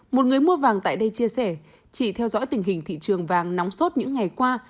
một người mua vàng tại đây chia sẻ chỉ theo dõi tình hình thị trường vàng nóng sốt những ngày qua